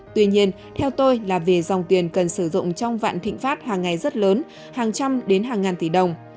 tuy nhiên theo tôi là vì dòng tiền cần sử dụng trong vạn thịnh pháp hàng ngày rất lớn hàng trăm đến hàng ngàn tỷ đồng